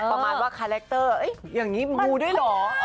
ประมาณว่าคาแรคเตอร์อย่างนี้มูด้วยเหรอ